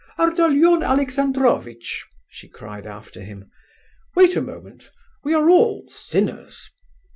"Ardalion Alexandrovitch," she cried after him, "wait a moment, we are all sinners!